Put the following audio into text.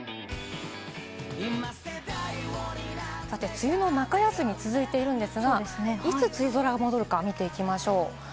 梅雨の中休みが続いているんですが、いつ梅雨空が戻るか見ていきましょう。